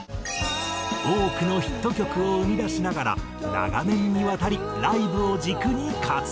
多くのヒット曲を生み出しながら長年にわたりライブを軸に活動。